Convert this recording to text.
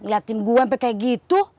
ngeliatin gue sampai kayak gitu